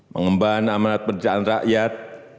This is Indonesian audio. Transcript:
mengemban amanat pendidikan rakyat